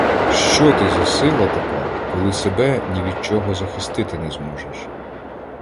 Що ти за сила така, коли себе ні від чого захистити не зможеш?